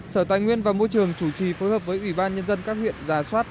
sở tài nguyên và môi trường chủ trì phối hợp với ubnd các huyện giả soát